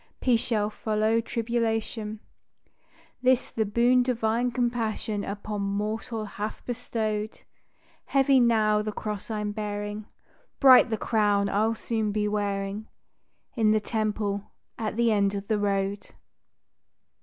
Peace shall follow tribulation: This the boon Divine Compassion upon mortal hath bestowed; Heavy now the cross I'm bearing; Bright the crown I'll soon be wearing In the Temple at the end of the road.